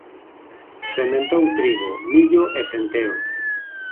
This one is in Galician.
Sementou trigo, millo e centeo.